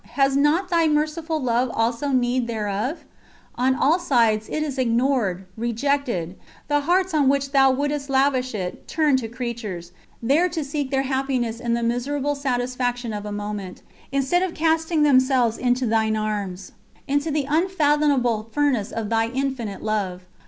Has not Thy Merciful Love also need thereof? On all sides it is ignored, rejected ... the hearts on which Thou wouldst lavish it turn to creatures, there to seek their happiness in the miserable satisfaction of a moment, instead of casting themselves into Thine Arms, into the unfathomable furnace of Thine Infinite Love.